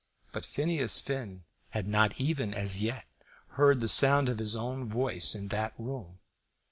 But Phineas Finn had not even as yet heard the sound of his own voice in that room.